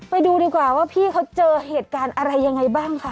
ไปดูดีกว่าว่าพี่เขาเจอเหตุการณ์อะไรยังไงบ้างคะ